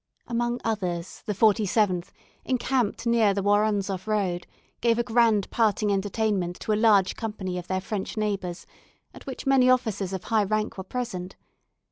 Among others, the 47th, encamped near the Woronzoff Road, gave a grand parting entertainment to a large company of their French neighbours, at which many officers of high rank were present.